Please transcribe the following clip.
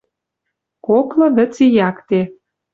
Коклы вӹц и якте.